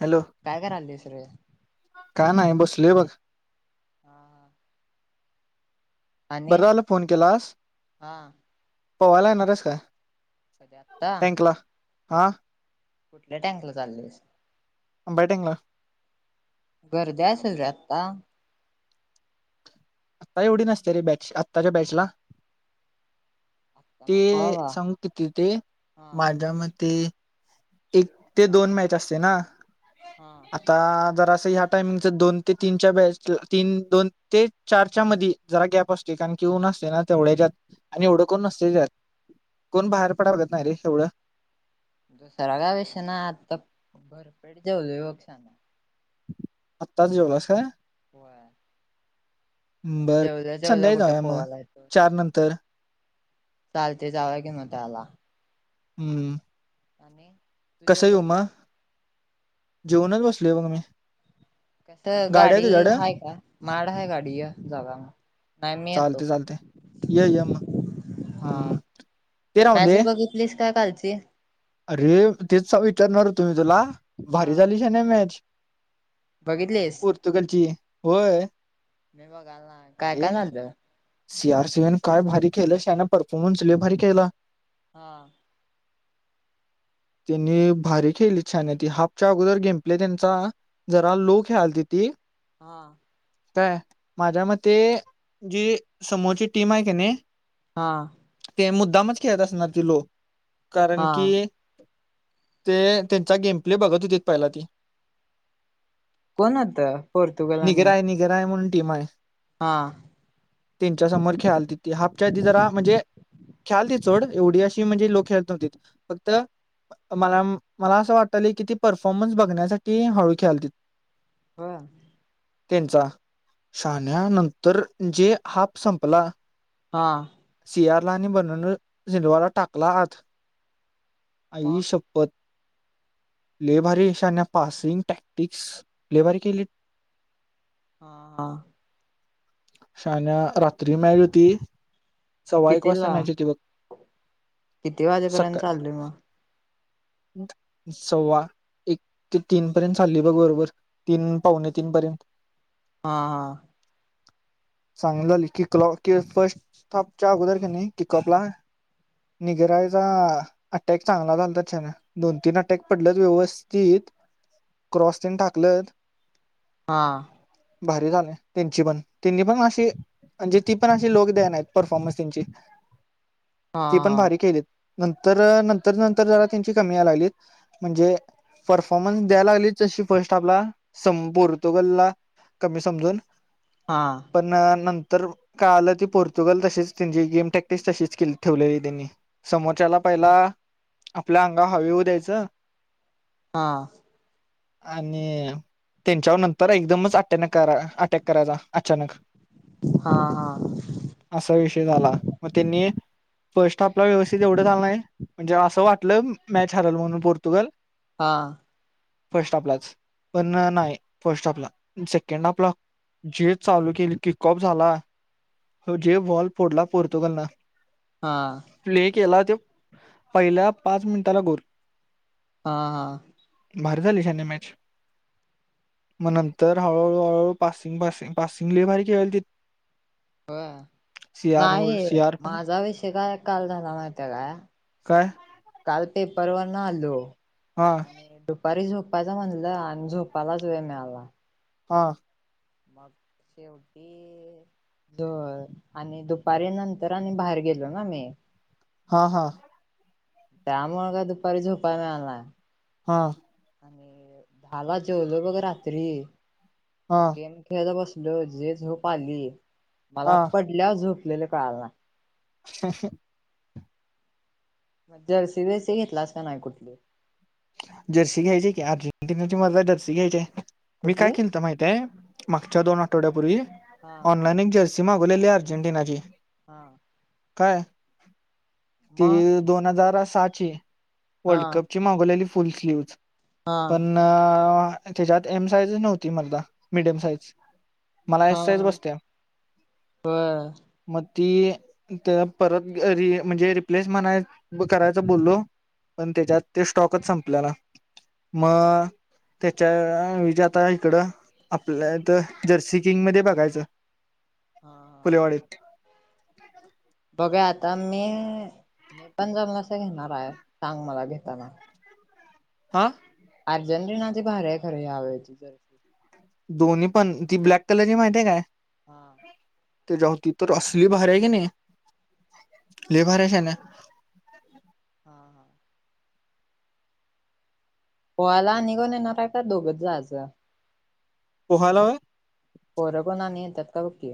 Hello काय करायलिस रे काय नाही बसलोय बघ हा बरं झाला फोन केलास हा पवायला येनारेस काय कधी आत्ता टँकला हा कुठल्या टँकला चाललेस आ बॅटिंगला गर्दी आसल रे आत्ता आत्ता एवढी नसते रे बॅच आत्ताच्या बॅचला आत्ता ते नको बाबा सांगतो किती ते हा माझ्या मते एक ते दोन मॅच असते ना हा आता जरा ह्या टायमिंगच दोन ते तीनच्या बॅचला तीन दोन ते चारच्या मधी जरा गॅप असते कारण ऊन असतंय ना तेवढ्या याच्यात आणि एवढं करून नसते त्यात कोण बाहेर पडागत [unintelligible] नाही रे एवढं दुसरा काही विषय नाही आत्ता भरपेट जेवलोय बघ शां आत्ताच जेवलास काय हो बरं संध्याकाळी कुठं जाऊया मग पोहायला येतोय. चार नंतर चालतंय जाऊया की मगं चार ला हम्म आणि तू जेवलास काय जेवुनच बसलोय बघ कस गाड्या गाडी तुझ्याकडं? हाय का माड हाय गाडी या जागा नाही मी येतो चालते चालते ये ये मग हा हम्म ते राहून दे मॅच बघितलीस का कालची अरे तेच विचारणार मी तुला हा भारी झाली कनी मॅच. बघितलीस? पोर्तुगलची होय. ए [unintelligible] सी आर सिएन काय भारी केलं श्याना परफॉर्मन्स ल भारी केला. हा. त्यांनी भारी खेळली छान त हाफच्या अगोदर घेंपले त्यांचा जरा लो खेळाल किती हा. काय माझ्या मते जी समोरची टीम आहे का नाही हा. ते मुद्दामच खेळत असणार ती लोक कारण हा की ते त्यांचा गेमप्ले बघत होतीत पहिला ती कोण होत पोर्तुगल आणि निघराय निघराय म्हणुन टीम हाय हा. त्यांच्या समोर खेळाली त ती हापच्या त जरा म्हणजे खेळाळतीत सोड एवढी अशी म्हणजे लोक खेळत नव्हती फक्त मला मला असं वाटत किती परफॉर्मन्स बघण्यासाठी हळू खेळायती. हम्म. त्यांचा साण्या नंतर जे हाप संपला हा. सियारला आणि बंन झिडवाला टाकला आत आई मग शपथ [inaudible] हा हा. शाना रात्री मॅच होती. सव्वा एक वाजता कितीला मॅच होती बघ किती वाजेपर्यंत सकाळी चाललय मग सस्वा एक ते तीन पर्यंत चालली बघ बरोबर तीन, पावणे तीन पर्यंत हा हा. सांगित झाली किक फर्स्ट धापच्या अगोदर की नाही क कपला निघरायचा अटॅक चांगला झाल त्याच्याने दोन तीन अटॅक पडल व्यवस्थित क्रॉसटन टाकलंत. हा. भारी झाले त्यांची पण त्यांनी पण अशी म्हणजे ती पण अशी लोक द्या नाही परफॉर्मन्स त्यांची ती पण हा भारी केलीत नंतर नंतर नंतर जरा त्यांची कमी या लागली म्हणजे परफॉर्मन्स द्याय लागलीच अशी फर्स्ट आपला स पोर्तुगलला. कमी समजून हा पण नंत तर काय आलं ती पोर्तुगल तसेच त्यांची गेम प्रॅक्टिस तशीच के ठेवलेली त्यांनी समोरच्याला फक्त ला आपल्या अंगा हवे होऊ द्यायच हा आणि त्यांच्यावर नंतर एकदमच अचानक अटॅक करायला अचानक हा असा विषय झाला म त्यांनी फर्स्ट आपला व्यवस्थित एवढं झालं नाही म्हणजे असं वाटलं मॅच हरल म्हणून पोर्तुगल. हा. फर्स्ट आपलाच पण नाही फर्स्ट आपला सेकंड आपला जेच चालू केली किकॉप झाला जे वॉल पोडला पोर्तुगलनं. हा प्ले केला ते पहिल्या पाच मिनिटाला गोल. हा हा. भरी झाली शान्या मॅच. मग नंतर हळूहळू हळूहळू पासिंग पासिंग पासिंग लय भारी खेळालतीत. होय. नाही सी आर पण माझा विषय काय काल झाला माहितय काय? काय काल पेपर वरन आलो हा आणि दुपारी झोप यच म्हणलं आणि झोपालाच वेळ मिळाला नाय. हा. मग शेवटी झ आणि दुपारी नंतर आणि बाहेर गेलो ना मी. हा हा. त्यामुळं काय दुपारी झोपाय मिळालं नाय. हा. आणि दहाला जेवलो बघ रात्री हा गेम खेळत बस लो जे झोप आली मला हा पडल्यावर झोपलेलं कळाल नाय. ह ह. मग जर्सी बिर्सी घेतलास का नाय कुठली? जर्सी घ्यायची की अर्जेंटिनाची मर्दा जर्सी घ्यायचीय. मी काय कुठली केलतं माहितीयं मागच्या दोन आठवड्यापूर्वी हा ऑनलाइन एक जर्सी सी मागवलेली आहे अर्जेटिनाची. हा. काय ती मग दोन हजार सहाची. हा वर्ल्ड कपची मागवलेली फुल स्लीव्हज् हा पण त्याच्यात एम साईज नव्हती मर्दा मिडियम साईज. मला एस साईज हा बसतिया होय म ती त परत री म्हणजे रिप्लेस म्हणाय करायच बोललो पण त्याच्यात ते स्टॉकच संपल्यला म त्याच्या विजा आता हिकडं आपल्या इथं जर्सी किंग मध्ये बघायचं. हा पुलेवाडीत. बघा आता मी मी पण जमलसं तर घेणारयं सांग मला घेताना. हा. अर्जेंटिनाची भारीय खर यावेळची जर्सी. दोन्ही पण ती ब्लॅक कलरची माहितीय आहे काय? हा. तेच्या होती ती त असली भरीय क नाही लय भारीय शान्या. हा हा. पोहायला आणि कोण येणारयं का दोघच जायाचं? पोहायला वय? पोरं कोण आणि येत्यात काय बघ कि.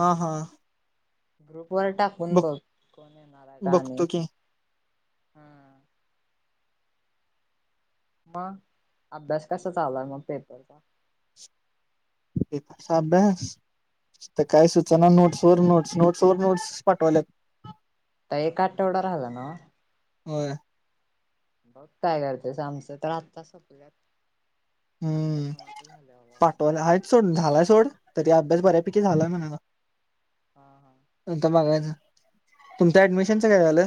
हा हा. ग्रुप वर टाकून बघ कोण येणार काय? आणि बघतो की हम्म. मग अभ्यास कसा चालुय मग पेपरचा? ते पासा अभ्यास तर काय सूचना नोट्स वर नोट्स नोट्स वर नोट्स पाठवाल्या. त एक आठवडा राहिला ना? हो बघ काय करतेच आमचं तर आत्ता संपल्यात. आत्ता हम्म निवांत झालोय बघा आम्ही. पाठवाला आहेत सोड झालाय सोड. तर ते अभ्यास बऱ्यापैकी झाला म्हणाला हा हा. ना नंतर बघायच. तुमच्या ऍडमिशनच काय झालं?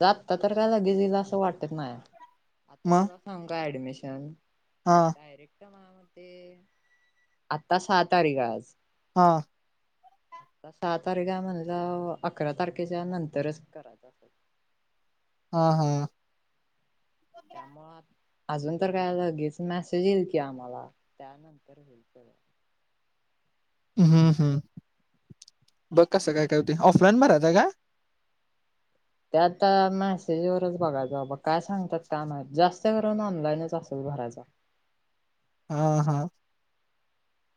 जातता तर काय लगेच येईल असं वाटत नाही आता मग तुला सांग का ऍडमिशन. हा डायरेक्ट का आत्ता सहा तारीख आज. हां आ सहा तारखा म्हणलं अकरा तारखेच्या नंतरच करायच. हां हां त्यामु अजून तर काय लगेच मेसेज येईल की आम्हाला त्यानंतर होईल. [inaudible] हम्म हम्म बघ कसं काय का होते ऑफलाईन भरायचा आहे का? ते आता मेसेजवरच बघाय जा बा काय सांगतात काम जास्त करून ऑनलाईनच असणार. भरायचा. हां हां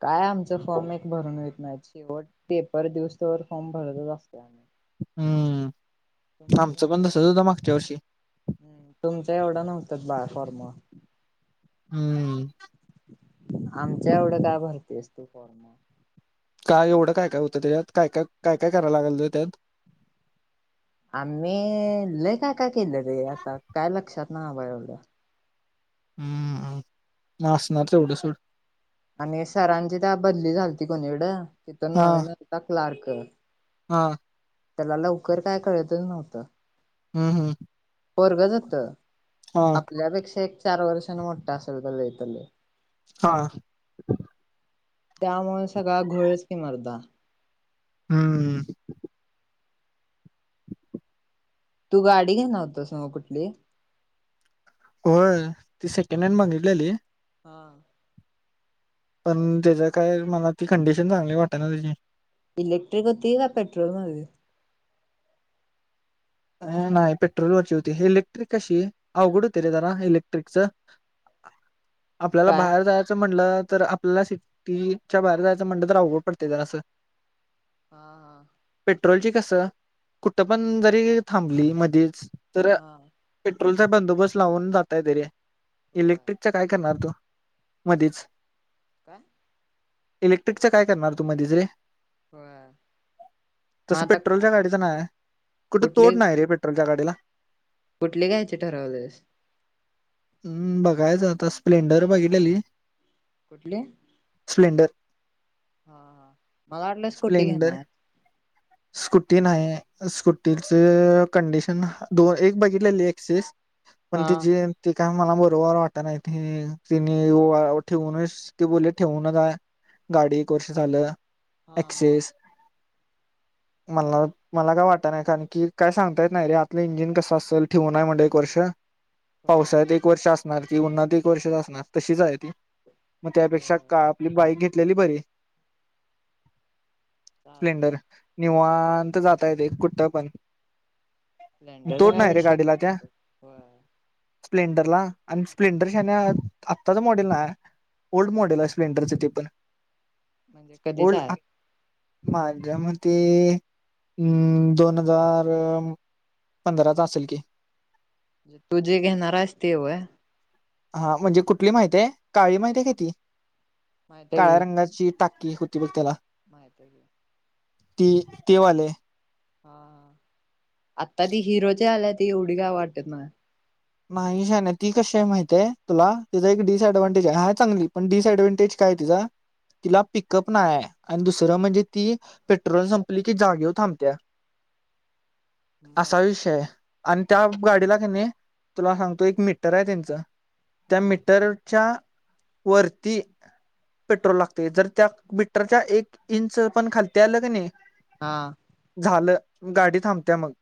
काय आमच फॉर्म एक भरून येत नाही शेवट पेपर दिवसत फॉर्म भरतच असत. हम्म आमचं पण तसच होतं मागच्या वर्षी. हम् तुमच एवढं नव्हतंच बाळ फॉर्म. हम्म आमच्या एवढं काय भरतीस तू फॉर्म काय एवढं काय काय होतं त्याच्यात काय काय काय काय करायला लागल त्यात? आम्ही लय काय का केलं रे आता काय लक्षात ना आलं. हम्म माचणार एवढं सोड. आणि सरांची त्या बदली झालती कोणी एवडं तिथून न् नव्हता क्लार्क. हां त्याला लवकर काय कळतच नव्हतं. हम्म हम्म पोरगच होत हा आपल्यापेक्षा एक चार वर्षने मोठा असल तर लतले. हां त्यामुळे सगळा घोळच कि मरदा. हम्म तू गाडी घेणार न होतास नव्ह का कुठली. हो ती सेकंड हॅड मागितलेली. हां पण त्याच्या काय मला ती कंडिशन चांगली वाटतते ना त्याची. इलेक्ट्रिक होती का पेट्रोल मध्ये होती? नाही पेट्रोलवरची होती इलेक्ट्रिक अशी अवघड होते रे जरा इलेक्ट्रिकच. आपल्याला काय बाहेर जायचं म्ह म्हंटलं तर आपल्याला सिटीच्या बाहेर जायचं म्हणलं तर अवघड पडतें जरासं. हा हा पेट्रोलची कस कुठ पण जरी थांबली मधच तर हा पेट्रोलचा बंदोबस्त लावून जाता येतय रे हा होय इलेक्ट्रिकचा काय करणार तू? मधीच का इलेक्ट्रिकच काय करणार तु मध्येच रे होय मग तस आता पेट्रोलच्या गाडीचं नाहीय कुठ तोट नाही रेट्रोलच्या गाडीला कुठले घयचे ठरवलेस हम्म बघायचं आता स्प्लेंडर बघितलेली कुठली स्प्लेंडर. हा हा मला वाटलं स्कुटी घेणार. स्कुटी नाही स्कुटी च कंडीशन दो एक बघितलेले एक्सेस पण हा त्याची- काय मला बरोबर वाटत नाही ते तिने ठेवूनच ते बोलले ठेवूनचाय. गाडी एक वर्ष झालं हा एक्सेस. मग मला मला काय वाटत नाही कारण की काय सांगता येत नाही रे आलं इंजिन कसं असेल ठेवून आहे म्हणजे एक वर्ष होय पावसा एक वर्ष अस नार की ऊन्हात एक वर्ष असणार तशीच आहे ती मग त्यापेक्षा होय का आपली बाईक घेत असलेली बरी स्प्लेंडर चालते निवां ते जाता येते कुठं पण. स्प्लेंडरचा तोड काय रे विषय गाडीला नाही त्या सोड पण स्प्लेंडरला आणि स्प्लेंडर शान्या आत्ताच मॉडेल नाय. ओल्ड मॉडेल आहे स्प्लेंडरचं ते पण. म्हणजे कधीच ओल्ड आहे. माझ्या मते अं दोन हजार पंधराचा असेल की. तू जे घेणारास ते व्हय. हा म्हणजे कुठली माहिती आहे काळी माहित आहे का ती माहित काळ्या रंगाची टा की हुती ब त्याला. माहिती आहे की. ती ते वाले. हा आता ती हिरोची आल्या ती एवढी काय वाटत नाय. नाही शान्या ती कशी आहे माहितय तुला तिचा एक डिएडव्हांटेज आहे, आहे चांगली पण डिसएडव्हटेज काय काय तुझा. तिला पिकअप नाही आहे आणि दुसरं म्हणजे ती पेट्रोल संपली की जागेवर थांबते. मग असा विषय आणि त्या गाडीला का नाही. तुला सांगतो एक मीटर आहे त्यांचं त्या हम्म मीटरच्या वर्ती पेट्रोल लागते जर त्या मीटरच्या एक इंच पण खालती आलं क नाही हा. झालं गाडी थांबत्या मग.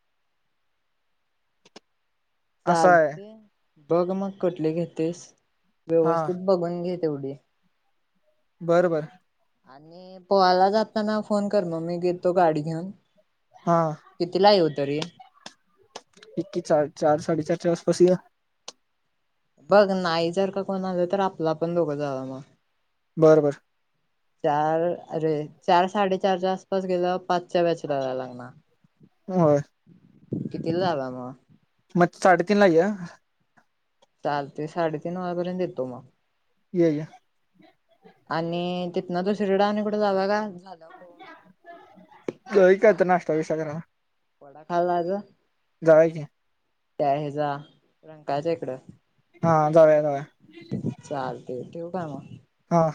असं आहे चालते बघ मग कुठली घेतोस हा व्यवस्थित बघून घे. तेवढी. बरबर. आणि पोहायला जाताना फोन कर मग मी घेतो गाडी घेऊन. हा कितीला येऊ तरी? एक्की चार चार साडे चारच्या आसपास ये. बघ नाही जर का कोण आलं तर आपला पण दोघं जाऊया म. बरबर. चार अरे चार साडेचारच्या आसपास गेलं पा पाचच्या बॅचला जायला लागणार. होय. कितीला झाला मग. अच्छा साडेतीन ला या. चालते साडेतीन वाजेपर्यंत येतो मग. ये आणि तिथन दुसरीकडं आणि कुठं जाऊया काय? जाऊया काय तर नाश्ता विस्टा करायला. वडा खायला जायचं? जाऊया की. त्या हेजा रंकाळ्याच्या इकडं. हा जाऊ जावेया ते ठेव का म हा